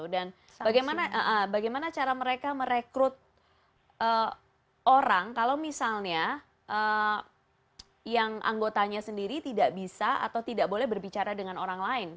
dan bagaimana cara mereka merekrut orang kalau misalnya yang anggotanya sendiri tidak bisa atau tidak boleh berbicara dengan orang lain